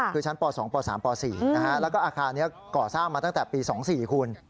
คือชั้นป๒ป๓ป๔แล้วก็อาคารนี้ก่อสร้างมาตั้งแต่ปี๒๔คุณ